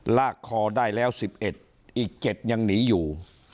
ลากคอได้แล้ว๑๑อีก๗ยังหนีอยู่